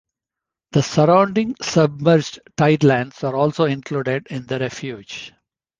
The surrounding submerged tidelands are also included in the refuge.